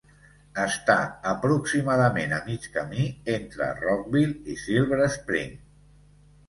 Està aproximadament a mig camí entre Rockville i Silver Spring.